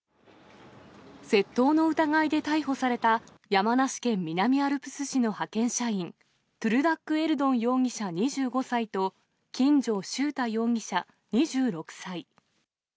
窃盗の疑いで逮捕された山梨県南アルプス市の派遣社員、トゥルダック・エルドン容疑者２５歳と、金城周汰容疑者２６歳。